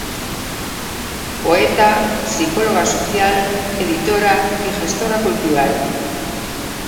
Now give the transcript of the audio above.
Poeta, psicóloga social, editora y gestora cultural.